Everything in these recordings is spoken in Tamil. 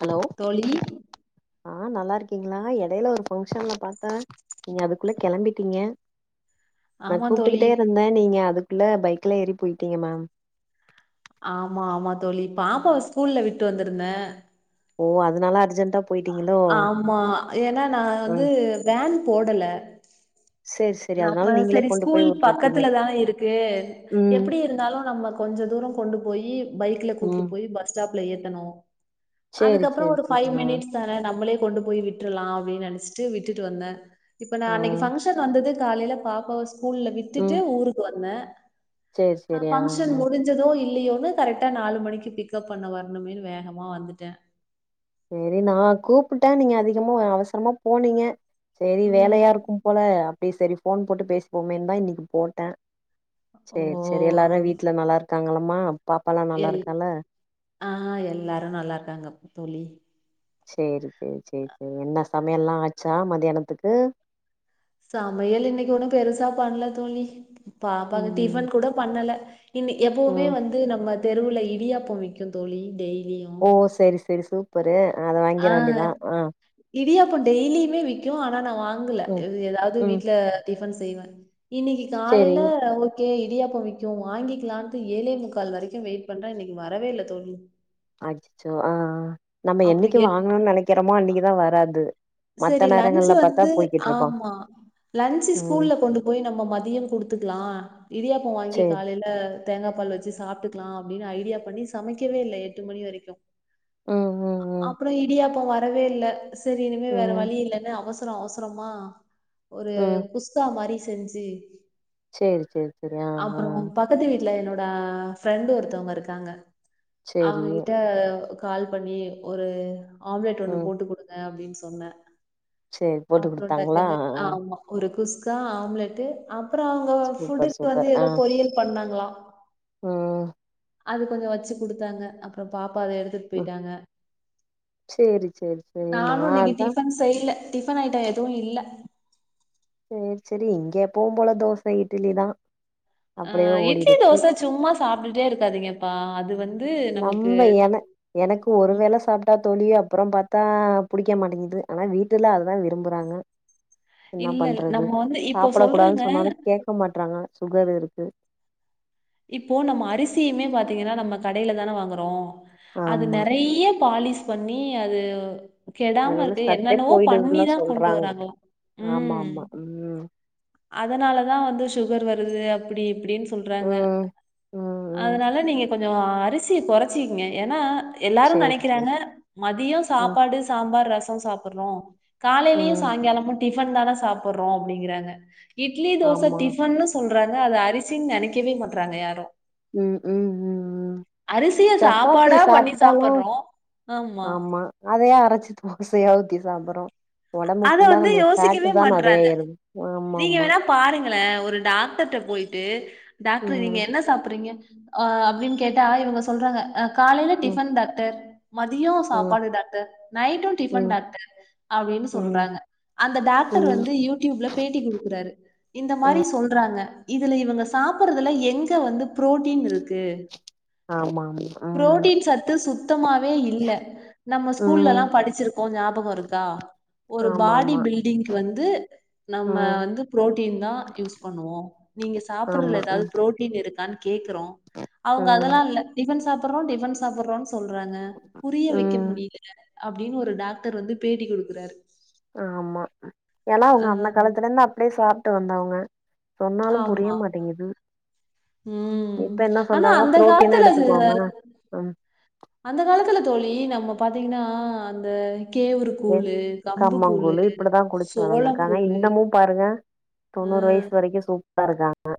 ஹலோ தோழி ஆ நல்லாருக்கீங்ளா எடைல ஒரு ஃபங்ஷன்ல பாத்தே நீங்க அதுக்குள்ள கெளம்பிட்டீங்க நா ஆமா தோழி கூப்டுக்கிட்டே இருந்தே நீங்க அதுக்குள்ள பைக்ல ஏறி போயிட்டீங்க மேம் ஆமா ஆமா தோழி பாப்பாவ ஸ்கூல்ல விட்டு வந்திருந்தே ஓ அதனால அர்ஜெண்ட்டா ஆமா ஏனா நா வந்து ம் வேன் போடல சேரி சேரி அதனால நம்ம நீங்களே சரி கொண்டு ஸ்கூல் போய் வுட்டுட்டீங்க பக்கத்துலதான இருக்கு ம் எப்டி இருந்தாலு நம்ம கொஞ்ச தூர கொண்டு போய் பைக்ல ம் கூட்டிட்டு போய் பஸ் ஸ்டாப்ல ஏத்தனு சேரி அதுக்கப்றோ சேரி ஒரு சேரி ஃபைவ் ஆ மினிட்ஸ் தான நம்மளே கொண்டு போய் விட்றலா அப்டின்னு நெனச்சிட்டு விட்டுட்டு வந்தே இப்ப நா ஆ அன்னைக்கு ஃபங்ஷன் வந்தது காலைல பாப்பாவ ஸ்கூல்ல விட்டுட்டு ம் ஊருக்கு வந்தே சேரி அ சேரி ஆ ஃபங்க்ஷன் ஆ முடிஞ் ஞ்சதோ இல்லயோன்னு கரெக்டா நாலு மணிக்கு பிக்கப் பண்ண வரணுமேனு வேகமா வந்துட்டே செரி நா கூப்புட்டே நீங்க அதிகமா அவசரமா போனீங்க சேரி வேலையா ம் இருக்கும் போல அப்டியே சரி ஃபோன் போட்டு பேசுவோமேனு தா இன்னைக்கு போட்டே சேரி ஓ சேரி எல்லாரு வீட்ல நல்லா இருக்காங்கலாம்மா பாப்பாலா நல்லா எல் இருக்கால ஆ எல்லாரு நல்லாருக்காங்க தோழி சேரி சேரி சேரி சேரி என்ன சமையலா ஆச்சா மதியானத்துக்கு சமையல் இன்னைக்கு ஒன்னு பெருசா பண்ணல தோழி பாப்பாக்கு ம் டிஃபன் கூட பண்ணல இன்ன எப்பவுமே ம் வந்து நம்ம தெருவுல இடியாப்போ விக்கும் தோழி டெய்லியு ஓ செரி செரி சூப்பரு அ அத வாங்கிற வேண்டிதா ஆ இடியாப்பொ டெய்லியுமே வி்க்கு ஆனா நா வாங்கல ம் எது எதாவ்து ம் வீட்ல டிஃபன் செய்வே இன்னைக்கு சேரி காலைல ஒ கே இடியாப்பொ விக்கு வாங்கிக்கலான்ட்டு ஏழே முக்கால் வரைக்கு வெயிட் பண்றே இன்னைக்கு வரவே இல்ல தோழி அச்சச்சோ ஆ நம்ம அப்டி என்னைக்கு எட் வாங்கணுனு நெனைக்கிறோமோ அன்னைக்குதா வராது சரி மத்த லஞ்ச் நேரங்கள்ல பாத்தா வந்து போய்கிட்ருப்பா ஆமா லஞ்ச் ம் ஸ்கூல்ல கொண்டு போய் நம்ம மதியொ குடுத்துக்குலா இடியாப்போ வாங்கி சேரி காலைல தேங்கா பால் வச்சு சாப்ட்டுக்கலா அப்டின்னு ஐடியா பண்ணி சமைக்கவே இல்ல எட்டு மணி வரைக்கு ம் ம் ம் அப்பறோ இடியாப்போ வரவே இல்ல சரி இனிமே வேற ம் வழி இல்லன்னு அவசர அவசரமா ஒரு ம் குஸ்கா மாரி செஞ்சு சேரி செரி செரி ஆ ஆ க்கத்து வீட்ல என்னோட ஃப்ரெண்ட் ஒருத்தவ்ங்க இருக்காங்க சேரி அவங்ககிட்ட கால் பண்ணி ஒரு ஆம்லெட் ஒன்னு ம் போட்டு குடுங்க அப்டின் சொன்ன சேரி போட்டு அப்றோ டக் குடுத்தாங்களா ஆ டக்குன் ஆ ஆமா ஒரு குஸ்கா ஆம்லெட் அப்றோ அவங்க சூப்பர் ஃபுட்டுக்கு வந்து சூப்பர் ஆ எதோ பொரியல் பண்ணாங்களா ம் அது கொஞ்சொ வச்சு குடுத்தாங்க அப்றோ பாப்பா அத எடுத் துட் ம் போயிட்டாங்க சேரி சேரி சேரி நா நானு இன்னிக்கு அதா டீ செய்ல டிஃபன் ஐட்டோ எதுவு இல்ல சேர் செரி இங்கே எப்போவும் போல தோச இட்லிதா அ இட்லி தோச சும்மா சாப்ட்டுக்ட்டே இருக்காதீங்கப்பா அது வந் நம்ப என எனக்கு ஒரு வேள சாப்ட்டா தோழி அப்பறோ பாத் தா புடிக்க மாட்டிங்து ஆனா வீட்டுல அதுதா விரும்புறாங்க என்னா இல்ல இல்ல பண்றது நம்ம வந்து இப்போ சாப்பட சொல்றாங்க கூடாதுன் சொன்னாலு கேக்க மாட்றாங்க சுகர் இருக்கு இப்போ நம்ம அரிசியுமே பாத்தீங்கன்னா நம்ம கடைல தான வாங்கறோ அது ஆமா நெறைய பாலிஸ் பண்ணி அது கெடாம அதுல உள்ள இருக்க சத்தே என்னென்னவோ போயிடுதுன்னு பண்ணி தா கொண்டு சொல்றாங்க வராங்களா ஆமா ம் ஆமா ம் அதனாலதா வந்து சுகர் வருது அப்பிடி இப்பிடின் சொல்றாங்க ம் ம் ம் அதனால நீங்க கொஞ்சோ அரிசிய கொறைச்சிக்ங்க ஏனா எல்லாரு சேரி சேரி நெனைக்கிறாங்க மதியோ ம் சாப்பாடு, சாம்பார், ரசோ சாப்பட்றோ காலைலயு ம் சாய்ங்காலமு டிஃபன் தான சாப்புட்றோ அப்டிங்கறாங்க இட்லி, தோச ஆமா டிஃபன்னு சொல்றாங்க அது அரிசின் நெனைக்கவே மாட்றாங்க யாரு ம் ம் ம் ம் ம் சப்பாத்தி சாப்பாடா பண்ணி சாப்ட்டாலு சாப்பிடுறோம். ஆமா அதையே அரச்சிட்டு தோசையா ஊத்தி சாப்பட்றோ ஒடம்பு அத ஃபுல்லா வந்து நம்மளுக் யோசிக்கவே ஃபேட்டு தா நெறைய ஏறுது ஆமா ஆமா பாருங்களே ஒரு டாக்டர்ட்ட போய்ட்டு டாக்டர் நீங்க ம் என்ன சாப்பட்றீங்க அ அப்டின் கேட்டா இவங்க சொல்றாங்க காலைல ம் டிஃபன் டாக்டர் மதியோ ம் சாப்பாடு டாக்டர் நைட்டு டிஃபன் ம் டாக்டர் அப்டின் ம் சொல்றாங்க அந்த ம் டாக்டர் வந்து யூடியூப்ல பேட்டி குடுக்குறாரு இந்த மாரி ம் சொல்றாங்க இதுல இவங்க சாப்பட்றதுல எங்க வந்து ப்ரோட்டீன் இருக்கு ஆமா ஆமா ப்ரோட்டீன் சத்து சுத் தமாவே இல்ல நம்ம ம் ம் ஸ்கூல்லெல்லா படிச்சிருக்கோ ஞாபகோ இருக்கா ஒரு ஆமா பாடி ஆமா பில்டிங்க்கு வந்து நம்ம ம் வந்து ப்ரோட்டீன் தா யூஸ் பண்ணுவோ நீங்க ஆமா சாப்பட்றதுல எதாவ்து ம் ப்ரோட்டீன் இருக்கான் கேக்கறோ அவங்க ம் அதெல்லா இல்ல டிஃபன் சாப்பட்றோ டிஃபன் சாப்பட்றோன் சொல்றாங்க புரிய வெக்க ம் முடியில என்னால அப்டின் ஒரு டாக்டர் வந்து பேட்டி குடுக்குறாரு ஆமா ஏனா ஆ அவுங்க அந்த காலத்துலர்ந்து அப்டியே சாப்ட்டு வந்தவங்க சொன்னாலு புரிய ஆமா மாட்டிங்கிது ம் ஆனா அந்த புரோட்டீனா காலத்துல அதுல எடுத்துக்கோங்க ம் அந்த காலத்துல தோழி நம்ம பாத்தீங்ன்னா அந்த கேவுரு ஏ கூழு, கம்புக் கூழு, கம்மங்கூழு இப்டிதா குடிச்சு சோளக் வளந்திருக்காங்க கூழு, இன்னமு பாருங்க தொண்ணூறு வய்ஸ் வரைக்கு சூப்பரா இருக்காங்க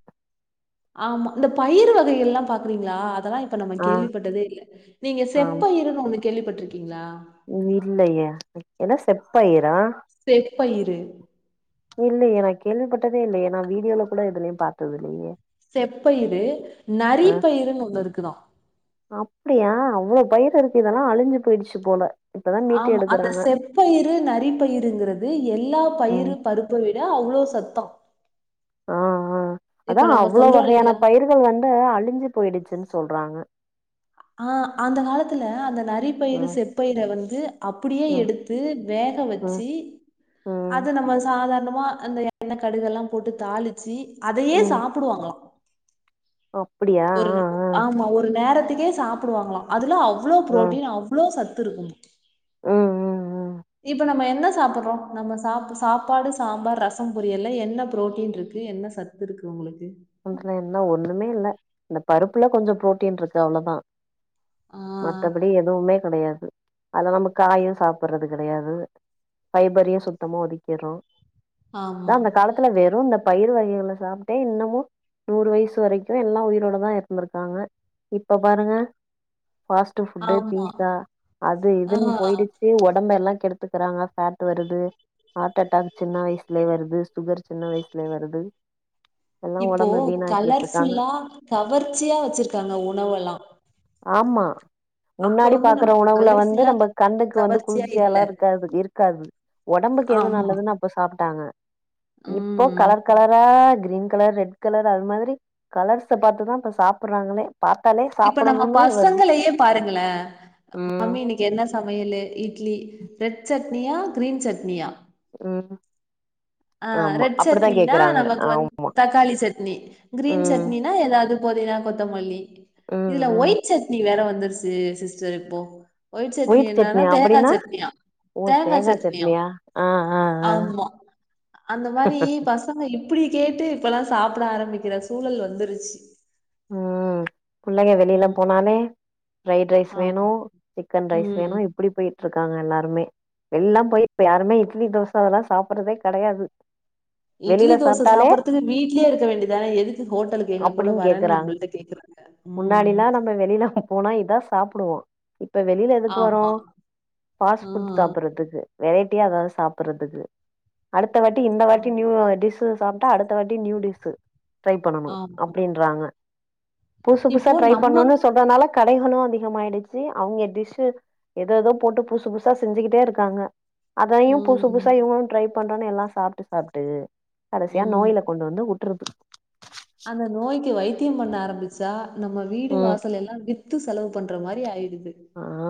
ஆமா இந்த பயிறு வகைகள்லா பாக்கறீங்ளா அதெல்லா இப்ப நம்ம ஆ கேள்விப்பட்டதே இல்ல நீங்க செப்பயிறுன் ஒன்னு கேள்விப்பட்ருக்கீங்ளா ஊர்லயா என்ன செப்பயிறா செப்பயிறு இல்லயே நா கேள்விப்பட்டதே இல்லயே நா வீடியோல கூட எதுலயு பாத்ததில்லயே செப்பயிறு, நரிப்பயிறுன் ஒன்னுருக்குதா அப்டியா அவ்ளோ பயிறு இருக்கு இதெல்லா அழிஞ்சு போயிடுச்சி போல இப்பதா மீட்டு ஆமா அந்த எடுக்குறாங்க செப்பயிறு நரிப்பயிறுங்கறது எல்லா ம் பயிறு பருப்ப விட அவ்ளோ சத்தா ஆ ஆ அதா நம்ம அவ்ளோ சொல்றோம் வகையான இல்லைங்களா? பயிறுகள் வந்து அழிஞ்சி போயிடுச்சுன் சொல்றாங்க ஆ அந்த காலத்துல அந்த நரிப்பயிறு, ம் செப்பயிற வந்து அப்பிடியே ம் எடுத்து வேக ம் வச்சி ம் அது நம்ம சாதாரணமா அந்த எண்ணெ கடுகெல்லா போட்டு தாளிச்சி அதயே ம் சாப்டுவாங்களா அப்டியா ஒரு ஆ நே ஆ ஆமா ஒரு நேரத்துக்கே சாப்புடுவாங்களா அதுல அவ் வ்ளோ ம் பு்ரோட்டீன் அவ்ளோ சத்து இருக்கு ம் ம் ம் இப்ப நம்ம என்ன சாப்புட்றோ நம்ம சாப்ட்ற சாப்பாடு சாம்பார் ரசம் பொரியல்ல என்ன ப்ரோட்டீன் இருக்கு என்ன சத்து இருக்கு உங்களுக்கு ஒன்ட்ல என்ன ஒன்னுமே இல்ல இந்த பருப்புல கொஞ்ச ப்ரோட்டீன் இருக்கு அவ்ளோதா ஆ மத்தபடி எதுவுமே கெடையாது அதலா நம்ம காயு சாப்புட்றது கெடையாது ஃபைபரையு சுத்தமா ஒதுக்கிர்றோ அதா ஆமா அந்த காலத்துல வெறு இந்த பயிறு வகைகள சாப்ட்டே இன்னமு நூறு வயசு வரைக்கு எல்லா உயிரோடதா இருந்துருக்காங்க இப்ப பாருங்க ஃபாஸ் ட்டு ஃபுட்டு ஆமா பீஸ்தா அது ஆ இதுன் போயிடுச்சு ஒடம்பெல்லா கெடுத் துக்குறாங்க ஃபேட் வருது ஹாட் அட்டாக் சின்ன வயசுலே வருது சுகர் சின்ன வயசுலே வருது எல்லா ஒட இப்போ கலர்ஃபுல்லா கவர்ச்சியா வச்சிருக்காங்க உணவெல்லா ஆமா அப்ப முன்னாடி வந்து பாக்குற நமக்கு உணவுல வந்து கலர்ஃபுல்லா நம்ப கண்ணுக்கு வந்து கவர்ச்சியா இல்ல குளிர்ச்சியாலா இருக்காது இருக்காது ஒடம்புக்கு எது ஆமா நல்லதுனா ப்ப சாப்ட்டாங்க இப்ப ம் கலர் கலரா க்ரீன் கலர் ரெட் கலர் அது மாதிரி கலர்ஸ்ஸ பாத்துதா இப்ப சாப்புட்றாங்களே பாத்தாலே சாப் இப்ப நம்ம பசங்களையே பாருங்களே ம் மம்மி இன்னைக் என்ன சமையலு இட்லி ரெட் சட்னியா கிரீன் சட்னியா ம் அ ஆமா ரெட் அப்டித்தா சட்னினா கேக்குறாங்க நமக்கு வந் ஆம் தக்காளி சட்னி கிரீன் ம் சட்னி னா எதாவ்து பொதினா கொத்தமல்லி ம் இதுல ம் ஒயிட் சட்னி வேற வந்துருச்சு சு சிஸ்டர் இப்போ ஒயிட் சட்னி என்னன்னா தேங்கா சட்னியா ஓ தேங்கா சட்னியா ஆ ஆ ஆ ஆமா அந்த மாரி பஸ் பசங்க இப்பிடி கேட்டு இப்பலா சாப்ட ஆரம்பிக்கிற சூழல் வந்துருச்சு ம் பிள்ளைங்க வெளில ம். போனாலே ஃப்ரைட் ரைஸ் வேணு ஆமா. சிக்கன் ரைஸ் வேணு ம். இப் இப்டி போயிட்ருக்காங்க எல்லாருமே எல்லா போய் இப்ப யாருமே இட்லி தோச அதெல்லா சாப்புட்றதே கெடையாது இட்லி வெளில தோச சாப்ட்டாலே சாப்பறத்துக்கு வீ்ட்லே இருக்க வேண்டியதான எதுக்கு ஹோட்டலுக்கு எங்க கூட அப்டின் வர ன் கேக்குறாங்க நம்பள்ட்ட கேக்குறாங்க ம் ம் முன்னாடிலா நம்ம வெளில அங்க போனா இதா சாப்புடுவோ இப்ப வெளில எதுக்கு வரோ ஆமா ஃபாஸ்ட் ஆ ஃபுட் சாப்புட்றதுக்கு வெரைட்டியா எதாவ்து சாப்புட்றதுக்கு அடுத்த வாட்டி இந்த ஆ வாட்டி நியூவா டிஷ்ஷூ சாப் அப்ப அடுத்த வாட்டி நியூ டிஷ்ஷு ட்ரை பண்ணனு ஆமா அப்டின்றாங்க புதுசு புதுசா இப்போ ட்ரை நம்ம பண்ணுனு சொல்றனால கடைகளு அதிகமாயிடுச்சு அவ்ங்க டிஷ்ஷூ எதெதோ போட்டு புதுசு புதுசா செஞ்சுக்கிட்டே இருக்காங்க அதையு புதுசு புதுசா ம் இவ்ங்களு ட்ரை பண்றன்னு எல்லா சாப்ட்டு சாப்ட்டு கடைசியா ம் நோய்ல கொண்டு வந்து வுட்ருது அந்த நோய்க்கு வைத்தியம் பண்ண ஆரம்பிச்சா நம்ம வீடு ம் வாசல் எல்லா வித் த்து செலவு பண்ற மாரி ஆயிடுது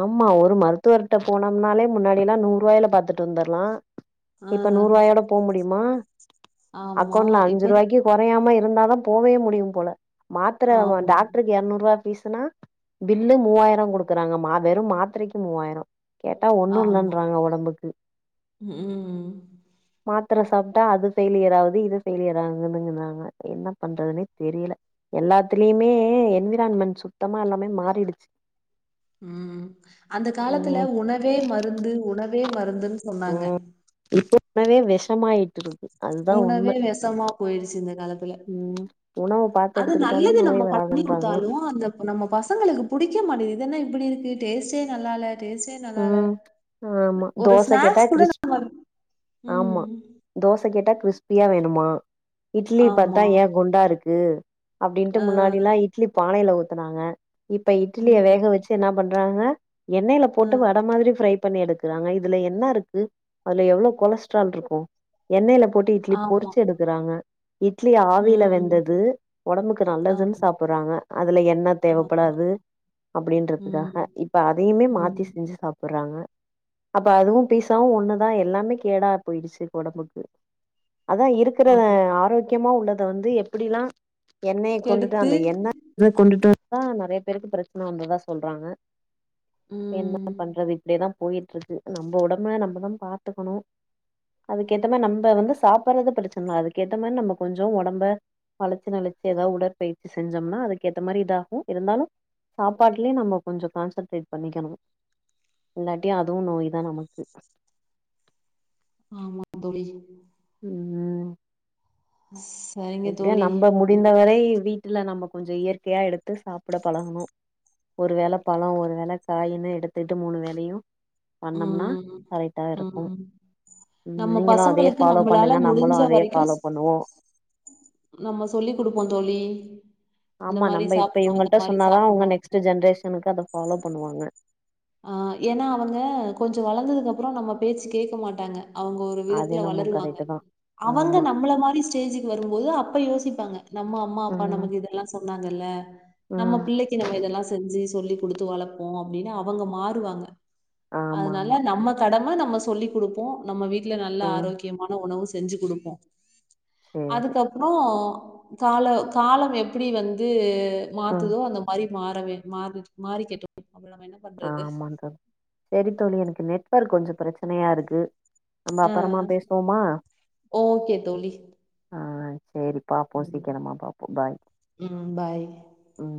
ஆமா ஒரு மருத்துவர்ட்ட போனம்னாலே முன்னாடிலா நூறுவாய்ல பாத்துட்டு வந்துர்லா ஆ இப்ப நூறுவாயோட போ முடியுமா ஆமா அக்கௌண்ட்ல அஞ்சு இப்ப ரூவாய்க்கு கொறையாம இருந்தாதா போவே முடியும் போல மாத்திர வா ஆமா டாக்டரு எர்நூரூவா பீஸ்சுன்னா பில்லு மூவாயிரோ குடுக்குறாங்கமா வெறும் மாத்ரைக்கு மூவாயிரோ கேட்டா ஆமா ஒன்னுல்லன்றாங்க ஒடம்புக்கு ம் மாத்ர சாப்ட்டா அது பெஃய்லியர் ஆவுது இது பெஃய்லியர் ஆகுதுன்னாங்க என்ன பண்றத்னே தெரில எல்லாத்துலயுமே என்விரான்மெண்ட் சுத்தமா எல்லாமே மாறிடுச்சி உம் அந்த காலத்துல ம் உணவே மருந்து உணவே மருந்துன் சொன்னாங்க இப்ப உணவே வெஷமாயிட்ருக்கு உணவே வெசமா போயிருச்சி இந்த காலத்துல ம் உணவு பாத்து அது எடுத்துக்கிட்டாலே நல்லது நோய் நம்ப பண்ணி வராதுன்றாங்க குடுத்தாலும் அந்த நம்ப பசங்களுக்கு புடிக்க மாட்டிங்குது இது என்ன இப்புடி இருக்கு டேஸ்ட்டே நல்லால்ல டேஸ்டே நல்லால ம் ஆமா ஒரு தோச கேட்டா ஸ்நாக்ஸ் கூட கிறிஸ் நம்ம உம் ஆமா தோச கேட்டா க்ரிஸ்பியா வேணுமா இட்லிய பாத்தா ஆமா. ஏ குண்டா இருக்கு அப்டின்ட்டு அ, முன்னாடில்லாம் இட்லி பானைல ஊத்னாங்க இப்ப இட்லிய ம், வேக வச்சி என்ன பண்றாங்க எண்ணெய்ல அ, போட்டு வட மாரி ஃப்ரை பண்ணி எடுக்குறாங்க இதுல என்னா இருக்கு அதுல எவ்ளோ கொலஸ்ட்ரால் இருக்கும் எண்ணெய்ல போட்டு இட்லி ஆமா. பொறிச்சி எடுக்குறாங்க இட்லி ஆவில ம். வெந்தது ஒடம்புக்கு நல்லதுன்னு ஆமா, சாப்ட்றாங்க அதுல எண்ணெ ஆமா. தேவப்படாது ம், அப்டின்றதுக்காக இப்ப அதையுமே மாத்தி ம். செஞ்சி சாப்ட்றாங்க அப்ப அதுவும் பீசாவும் ஒண்ணுதா எல்லாமே கேடா போயிடுச்சி ஒடம்புக்கு அதா இருக் இருக்கற ஆமா. ஆரோக்கியமா உள்ளத வந்து எப்படிலாம் எண்ணெய கொண்டுட்டு கெடுத்து அந்த எண்ணெ இத கொண்டுட்டு அதா நெறைய பேருக்கு பிரச்சன வந்ததா சொல்றாங்க என்ன ம். அப்டியேதா போயிட்ருக்கு நம்ம ஒடம்ப நம்மதா பாத்துக்கணு அதுக்கேத்த மாரி நம்ப வந்து சாப்பற்து ப்ரச்சனல அதுக்கேத்த மாரி நம்ப கொஞ்சோ ஒடம்ப வளச்சு நெளிச்சு ஏதா உடற்பயிற்சி செஞ்சோம்னா அதுக்கு ஏத்த மாரி இதாகும் இருந்தாலு சாப்பாட்லயு நம்ம கொஞ்சோ கான்சன்ட்ரெட் பண்ணிக்கணு இல்லாட்டி அதுவு நோய்தா நமக்கு ஆமாம் தொழி உம் ஸ் சரி எப்டியோ நம்ப ‌முடிந்தவரை வீட்டுல நம்ம கொஞ்சோ இயற்கையா எடுத்து சாப்ட பழகணு ஒரு வேள பழோ ஒரு வேள காய்னு எடுத்துட்டு மூணு வேளயும் பண்ணம்னா ம், கரெக்டா இருக்கும் ம். உம் நம்ம நீங்களா அதே பசங்களுக்கு ஃபாலோ நம்மளால பண்ணுங்க நம்மளும் முடிஞ்ச அதே ஃபாலோ வரைக்கும் பண்ணுவோ நம்ம சொல்லி் குடுப்போம் தோழி இந்த ஆமா மாரி நம்ப இப்ப சாப்புட்ணும், இந்த இவங்கள்ட்ட மாரி சொன்னாதா அவுங்க சாப்புட்ணும். நெக்ஸ்ட்டு ஜென்ரேஷனுக்கு அத ஃபாலோ பண்ணுவாங்க ஆ ஏன்னா அவங்க கொஞ்சோ வளந்ததுக்கு அப்றோ நம்ம பேச்சு கேக்க மாட்டாங்க அவுங்க ஒரு அது விதத்துல என்னமோ வளருவாங்க கரெக்ட் தா அவங்க ஆமா நம்மள மாரி ஸ்டேஜிக்கு வரும்போது அப்ப யோசிப்பாங்க நம்ம அம்மா அப்பா ம் நமக்கு இதெல்லா சொன்னாங்கல்ல நம்ம ம் பிள்ளைக்கு நம்ம இதெல்லா செஞ்சு சொல்லி குடுத்து வளப்போ அப்டின்னு அவங்க மாறுவாங்க ஆமா ஆமா அதனால நம்ம கடம நம்ம சொல்லி குடுப்போ நம்ம வீட்ல நல்லா ம் ஆரோக்கியமான உணவு செஞ்சு குடுப்போ சேரி அதுக்கப்றோ காலோ காலம் எப்டி வந்து ம் மாத்துதோ அந்த மாரி மாறவே மாறி மாறிக்கெட்டு அப்றோ நாம என்ன பண்றது ஆமாங்க சரி தோழி எனக்கு நெட்வொர்க் கொஞ்சோ ப்ரச்சனையாருக்கு நம்ம அப்பறோமா பேசுவோமா ஓகே தோழி. ஆ சேரி பாப்போ ம். சீக்கிரமா பாப்போ பாய் ம் பாய். ம்